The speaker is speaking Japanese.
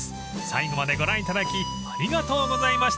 ［最後までご覧いただきありがとうございました］